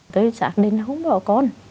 tôi xác định không bỏ con